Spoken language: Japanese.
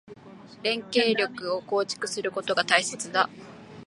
連携力を構築することが大切だ。